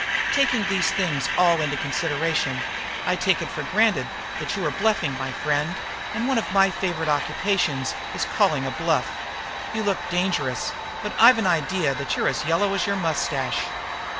Taking these things all into consideration, I take it for granted that you are bluffing, my friend, and one of my favourite occupations is calling a bluff. You look dangerous, but I've an idea that you are as yellow as your moustache.'